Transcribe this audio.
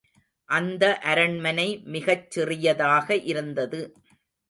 அந்த அரண்மனை மிகச் சிறியதாக இருந்தது.